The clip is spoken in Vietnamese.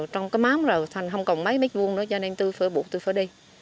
trong cái mám rồi thành không còn mấy mét vuông nữa cho nên tôi phải buộc tôi phải đi